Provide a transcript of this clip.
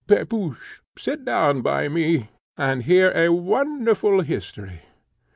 Pepusch, sit down by me, and hear a wonderful history."